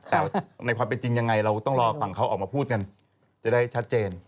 แต่ในความเป็นจริงยังไงเราต้องรอฝั่งเขาออกมาพูดกันจะได้ชัดเจน